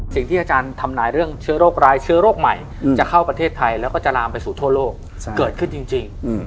สิ่งที่อาจารย์ทำนายเรื่องเชื้อโรคร้ายเชื้อโรคใหม่จะเข้าประเทศไทยแล้วก็จะลามไปสู่ทั่วโลกเกิดขึ้นจริง